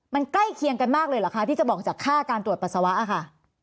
มันใกล้เคียงกันมากเลยเหรอคะที่จะบอกจากค่าการตรวจปัสสาวะค่ะ